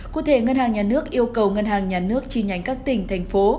cụ thể ngân hàng nhà nước yêu cầu ngân hàng nhà nước chi nhánh các tỉnh thành phố